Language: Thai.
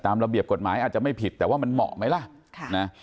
ระเบียบกฎหมายอาจจะไม่ผิดแต่ว่ามันเหมาะไหมล่ะ